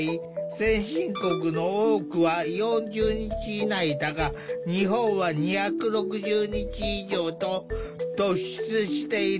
先進国の多くは４０日以内だが日本は２６０日以上と突出している。